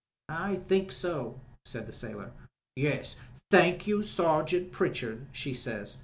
"I think so," said the sailor. "Yes, 'Thank you, Sergeant Pritchard,' she says.